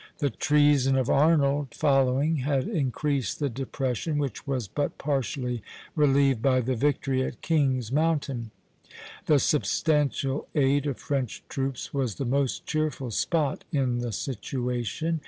The treason of Arnold following had increased the depression, which was but partially relieved by the victory at King's Mountain. The substantial aid of French troops was the most cheerful spot in the situation.